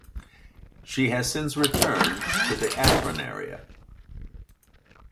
She has since returned to the Akron area.